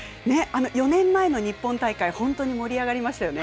４年前の日本大会、盛り上がりましたよね。